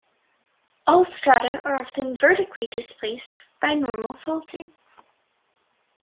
All strata are often vertically displaced by normal faulting.